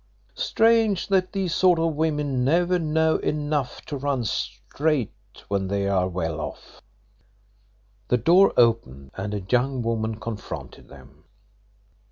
Strange that these sort of women never know enough to run straight when they are well off." The door opened, and a young woman confronted them.